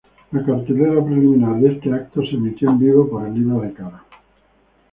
La cartelera preliminar de este evento se emitió en vivo por Facebook.